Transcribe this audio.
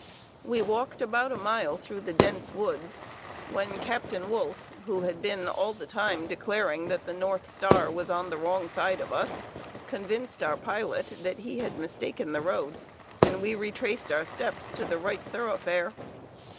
We walked about a mile through the dense woods, when Captain Wolfe, who had been all the time declaring that the North Star was on the wrong side of us, convinced our pilot that he had mistaken the road, and we retraced our steps to the right thoroughfare.